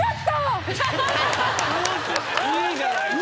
いいじゃないですか。